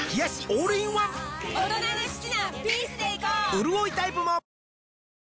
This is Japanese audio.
うるおいタイプもあら！